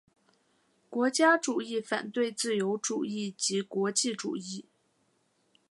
国家主义反对自由主义及国际主义。